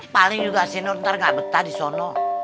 paling juga si nur ntar nggak betah di solo